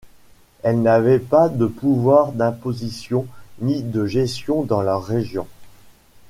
Elles n'avaient pas de pouvoirs d'imposition ni de gestion dans leur région.